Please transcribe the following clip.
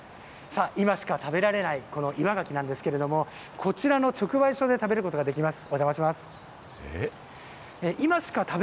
さあ、今しか食べられない、この岩ガキなんですけれども、こちらの直売所で食べることができます。